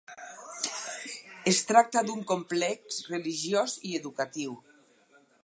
Es tracta d'un complex religiós i educatiu.